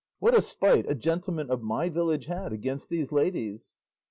what a spite a gentleman of my village had against these ladies!"